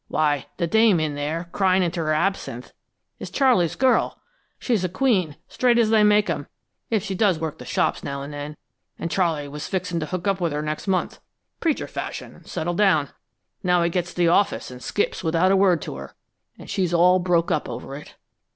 "Why, the dame in there, cryin' into her absinthe, is Charley's girl. She's a queen straight as they make 'em, if she does work the shops now and then and Charley was fixin' to hook up with her next month, preacher fashion, and settle down. Now he gets the office and skips without a word to her, and she's all broke up over it!"